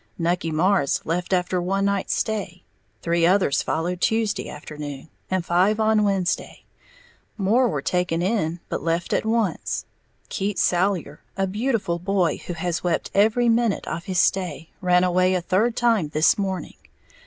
Nucky Marrs left after one night's stay; three others followed Tuesday afternoon, and five on Wednesday; more were taken in, but left at once. Keats Salyer, a beautiful boy who has wept every minute of his stay, ran away a third time this morning.